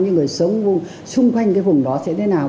những người sống xung quanh cái vùng đó sẽ thế nào